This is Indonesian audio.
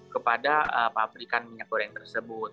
kepada pabrikan minyak goreng tersebut